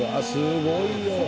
すごいよ。